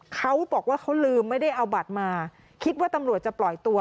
เขาบอกว่าเขาลืมไม่ได้เอาบัตรมาคิดว่าตำรวจจะปล่อยตัว